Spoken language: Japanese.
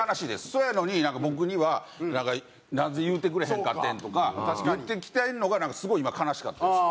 そうやのになんか僕には「なんで言うてくれへんかってん」とか言ってきてるのがすごい今悲しかったです。